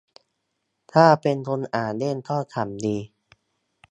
ถ้าเป็นคนอ่านเล่นก็ขำดี